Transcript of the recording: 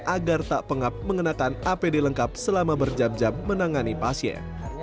agar tak pengap mengenakan apd lengkap selama berjam jam menangani pasien